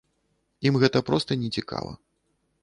Ім гэта проста не цікава.